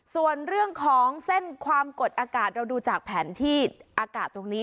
ส่วนเรื่องของเส้นความกดอากาศเราดูจากแผนที่อากาศตรงนี้